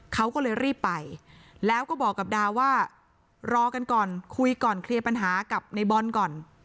เขาก็เลยรีบไปแล้วก็บอกกับดาวว่ารอกันก่อนคุยก่อนเคลียร์ปัญหากับในบอลก่อน